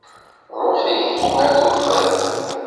Ruḥ ihi ar-tufat.